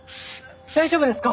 大丈夫ですか？